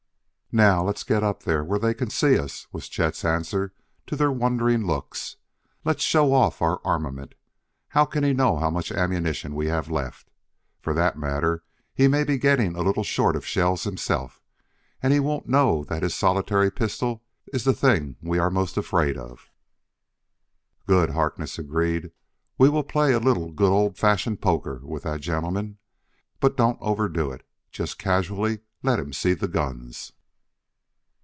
"Now let's get up where they can see us," was Chet's answer to their wondering looks; "let's show off our armament. How can he know how much ammunition we have left? For that matter, he may be getting a little short of shells himself, and he won't know that his solitary pistol is the thing we are most afraid of." "Good," Harkness agreed; "we will play a little good old fashioned poker with the gentleman, but don't overdo it, just casually let him see the guns."